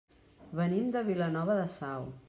Venim de Vilanova de Sau.